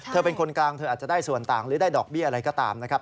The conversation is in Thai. เธอเป็นคนกลางเธออาจจะได้ส่วนต่างหรือได้ดอกเบี้ยอะไรก็ตามนะครับ